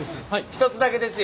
一つだけですよ。